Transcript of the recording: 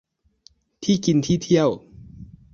ที่กินที่เที่ยว